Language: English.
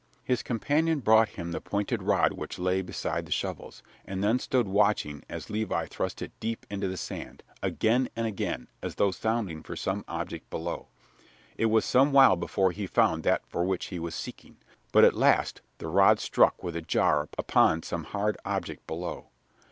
His companion brought him the pointed iron rod which lay beside the shovels, and then stood watching as Levi thrust it deep into the sand, again and again, as though sounding for some object below. It was some while before he found that for which he was seeking, but at last the rod struck with a jar upon some hard object below.